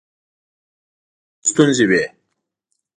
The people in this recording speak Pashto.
کال دوه کاله وړاندې ستونزې وې.